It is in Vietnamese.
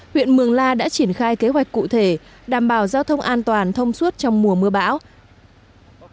huyện mường la đã triển khai kế hoạch cụ thể đảm bảo giao thông an toàn thông suốt trong mùa mưa bão